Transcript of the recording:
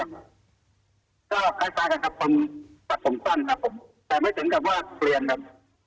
ตัดส่งผมสั้นครับครับแต่ไม่ถึงกับว่าเปลี่ยนแบบ